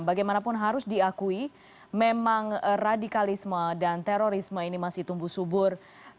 bagaimanapun harus diakui memang radikalisme dan terorisme ini masih tumbuh subur